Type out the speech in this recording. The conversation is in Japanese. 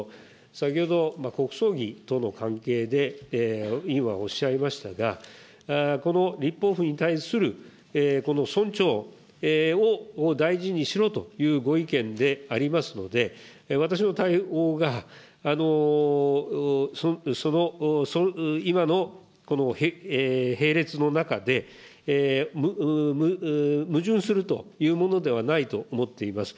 先ほど国葬儀との関係で、委員はおっしゃいましたが、この立法府に対する尊重を大事にしろというご意見でありますので、私の対応が、その、今の並列の中で矛盾するというものではないと思っています。